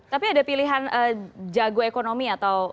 tapi ada pilihan jago ekonomi atau